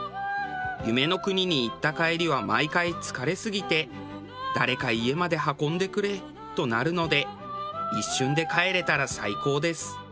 夢の国に行った帰りは毎回疲れすぎて「誰か家まで運んでくれ」となるので一瞬で帰れたら最高です。